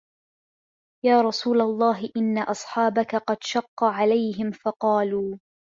يَا رَسُولَ اللَّهِ إنَّ أَصْحَابَك قَدْ شَقَّ عَلَيْهِمْ فَقَالُوا